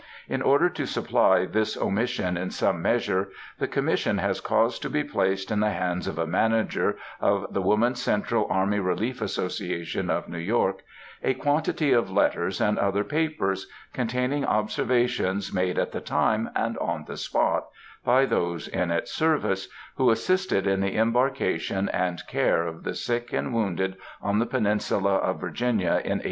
In order to supply this omission in some measure, the Commission has caused to be placed in the hands of a manager of the "Woman's Central Army Relief Association of New York," a quantity of letters and other papers, containing observations made at the time, and on the spot, by those in its service who assisted in the embarkation and care of the sick and wounded on the peninsula of Virginia in 1862.